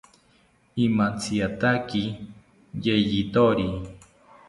Imantsiataki yeyithori